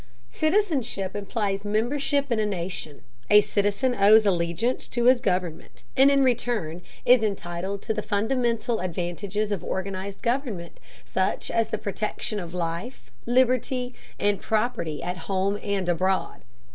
Citizenship implies membership in a nation. A citizen owes allegiance to his government, and in return is entitled to the fundamental advantages of organized government, such as the protection of life, liberty and property at home and abroad.